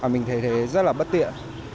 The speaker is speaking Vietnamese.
mình thấy thế rất là bất tiện